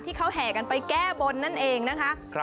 แห่กันไปแก้บนนั่นเองนะคะ